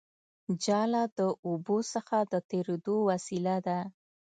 جاله د اوبو څخه د تېرېدو وسیله ده